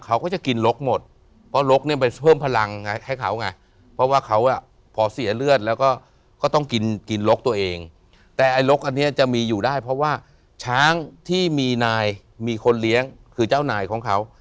เขาก็จะกินหลกหมดเพราะหลกเนี่ยไปเพิ่มพลังไงให้เขาไงเพราะว่าเขาอ่ะ